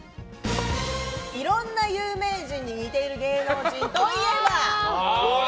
いろんな有名人に似ている芸能人といえば？